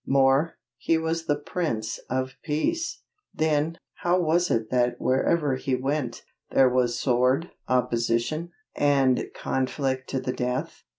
More, He was the Prince of Peace! Then, how was it that wherever He went, there was sword, opposition, and conflict to the death?